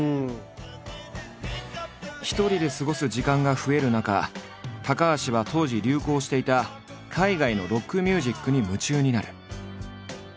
一人で過ごす時間が増える中高橋は当時流行していた海外のロックミュージックに夢中になる。